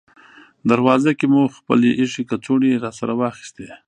دروازه کې مو خپلې اېښې کڅوړې راسره واخیستې.